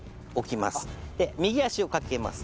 右足をかけます。